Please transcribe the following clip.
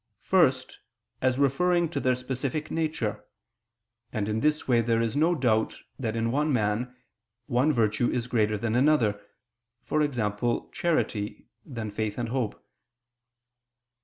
First, as referring to their specific nature: and in this way there is no doubt that in a man one virtue is greater than another, for example, charity, than faith and hope.